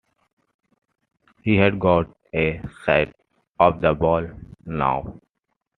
He had got a sight of the ball now.